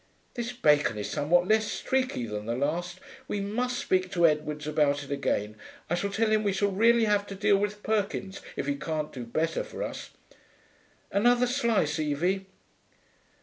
This bacon is somewhat less streaky than the last. We must speak to Edwards about it again. I shall tell him we shall really have to deal with Perkins if he can't do better for us. Another slice, Evie?'